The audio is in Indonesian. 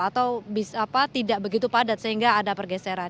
atau tidak begitu padat sehingga ada pergeseran